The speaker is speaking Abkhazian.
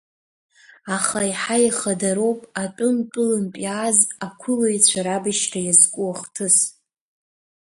Аха еиҳа ихадароуп атәымтәылантә иааз ақәылаҩцәа рабашьра иазку ахҭыс.